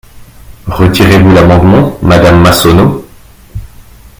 Retirez-vous l’amendement, madame Massonneau?